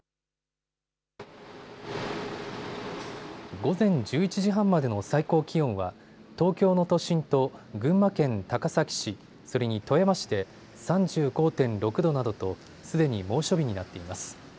午前１１時半までの最高気温は東京の都心と群馬県高崎市それに富山市で３５．６度などとすでに猛暑日になっています。